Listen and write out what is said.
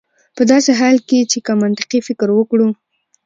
په داسې حال کې چې که منطقي فکر وکړو